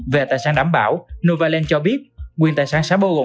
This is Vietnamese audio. về tài sản đảm bảo novaland cho biết quyền tài sản sẽ bao gồm